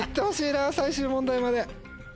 最終問題まで。